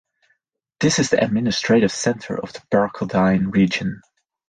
This is the administrative centre of the Barcaldine Region.